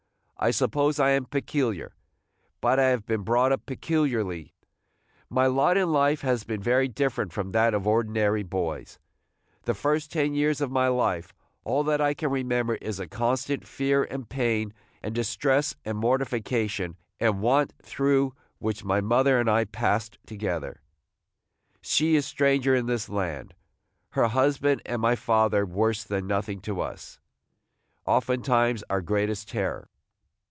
I suppose I am peculiar, but I have been brought up peculiarly. My lot in life has been very different from that of ordinary boys. The first ten years of my life, all that I can remember is the constant fear and pain and distress and mortification and want through which my mother and I passed together, – she a stranger in this strange land, – her husband and my father worse than nothing to us, oftentimes our greatest terror.